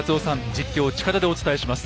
実況近田でお伝えします。